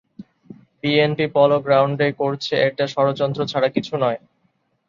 BNP পলোগ্রাউন্ডে করছে এটা ষড়যন্ত্র ছাড়া কিছু নয়।